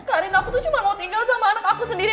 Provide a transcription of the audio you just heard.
karena aku tuh cuma mau tinggal sama anak aku sendiri